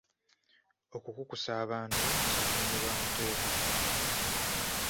Okukukusa abantu kya bumenyi bw'amateeka.